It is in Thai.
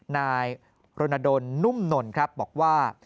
นายรณดลนนุ่มนนครับบอกว่า